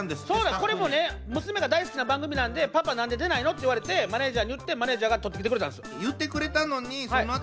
そうこれもね娘が大好きな番組なんで「パパ何で出ないの？」って言われてマネージャーに言ってマネージャーが取ってきてくれたんですよ。